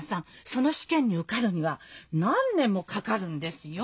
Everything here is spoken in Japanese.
その試験に受かるには何年もかかるんですよ。